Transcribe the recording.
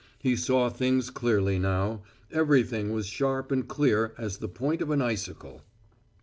He saw things clearly now; everything was sharp and clear as the point of an icicle.